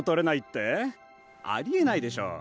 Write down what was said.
ありえないでしょ。